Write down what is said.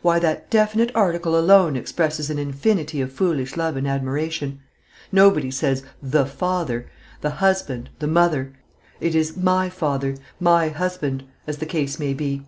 Why, that definite article alone expresses an infinity of foolish love and admiration. Nobody says the father, the husband, the mother; it is "my" father, my husband, as the case may be.